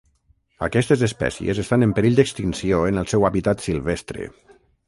Aquestes espècies estan en perill d'extinció en el seu hàbitat silvestre.